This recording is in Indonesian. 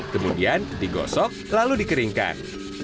kemudian digosok lalu dikeringkan